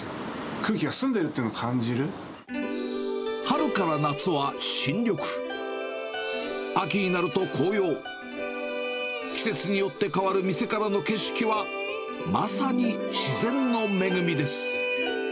空気が澄んでいるというのを感じ春から夏は新緑、秋になると紅葉、季節によって変わる店からの景色は、まさに自然の恵みです。